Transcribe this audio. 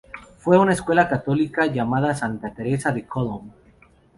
Fue a una escuela católica llamada Santa Teresa de Kowloon.